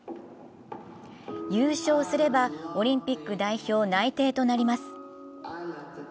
優勝すればオリンピック代表内定となります。